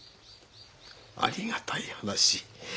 ありがたい話。